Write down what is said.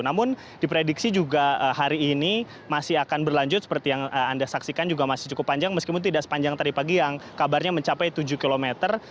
namun diprediksi juga hari ini masih akan berlanjut seperti yang anda saksikan juga masih cukup panjang meskipun tidak sepanjang tadi pagi yang kabarnya mencapai tujuh kilometer